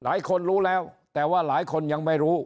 หลายคนรู้แล้วแต่ว่าหลายคนยังไม่รู้